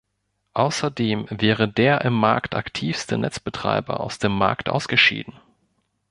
Ausserdem wäre der im Markt aktivste Netzbetreiber aus dem Markt ausgeschieden.